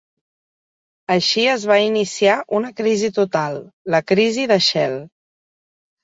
Així es va iniciar una crisi total, la crisi de Shell.